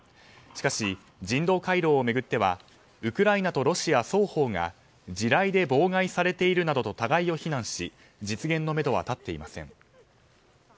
しかし、人道回廊を巡ってはウクライナとロシア双方が地雷で妨害されているなどと互いを非難し実現のめどは立っていません。